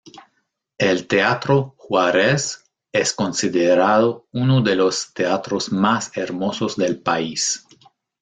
El Teatro Juárez es considerado uno de los teatros más hermosos del país.